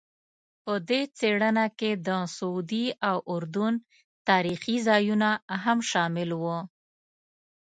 په دې څېړنه کې د سعودي او اردن تاریخي ځایونه هم شامل وو.